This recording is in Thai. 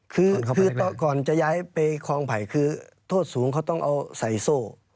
คือก่อนจะย้ายไปคลองไผ่คือโทษสูงเขาต้องเอาใส่โซ่